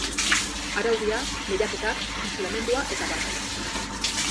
Araudia, lehiaketak, funtzionamendua eta abar.